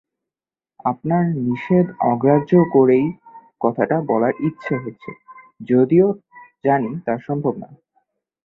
আপনার নিষেধ অগ্রাহ্য করেই কথাটা বলার ইচ্ছা হচ্ছে, যদিও জানি তা সম্ভব না।